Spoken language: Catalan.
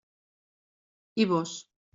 I vós?